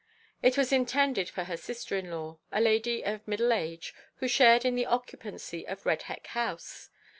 It was intended for her sister in law, a lady of middle age, who shared in the occupancy of Redbeck House.